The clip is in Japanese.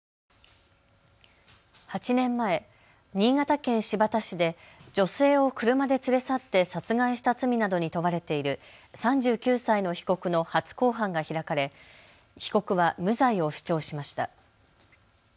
８年前、新潟県新発田市で女性を車で連れ去って殺害した罪などに問われている３９歳の被告の初公判が開かれ被告は無罪を主張しました。